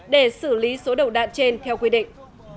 để xử lý số đầu đạn trên theo quy định